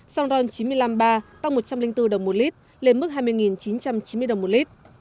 xăng ron chín trăm năm mươi ba tăng một trăm linh bốn đồng một lít lên mức hai mươi chín trăm chín mươi đồng một lít